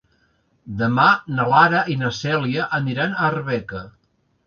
Demà na Lara i na Cèlia aniran a Arbeca.